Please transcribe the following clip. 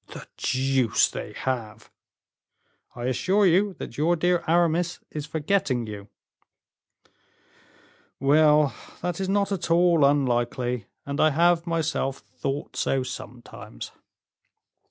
"The deuce they have!" "I assure you that your dear Aramis is forgetting you." "Well, that is not at all unlikely, and I have myself thought so sometimes."